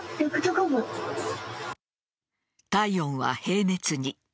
体温は平熱に。